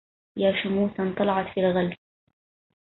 يا شموسا طلعت في الغلس